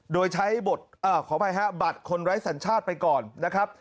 โดยใช้บทขออภัยฮะบัตรคนไร้สัญชาติไปก่อนนะครับ